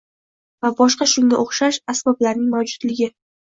va boshqa shunga o‘xshash «asbob»larning mavjudligi